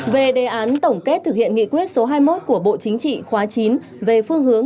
về đề án tổng kết thực hiện nghị quyết số hai mươi một của bộ chính trị khóa chín về phương hướng